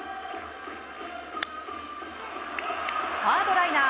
サードライナー。